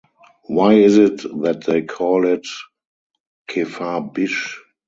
Why is it that they call it "Kefar Bish"?